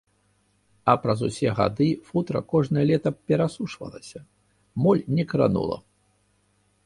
А праз усе гады футра кожнае лета перасушвалася, моль не кранула.